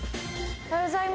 おはようございます。